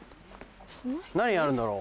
何やるんだろう？